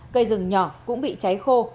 cây rừng nhỏ cũng bị cháy khô